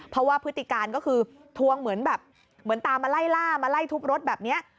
เพราะว่าพฤติการก็คือทวงเหมือนแบบเหมือนตามมาไล่ล่ามาไล่ทุบรถแบบนี้